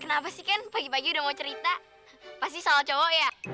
kenapa sih kan pagi pagi udah mau cerita pasti salcowo ya